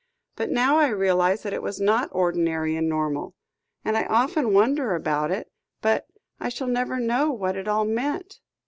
But now I realise that it was not ordinary and normal. And I often wonder about it. But I shall never know what it all meant.